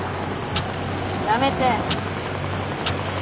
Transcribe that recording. やめて。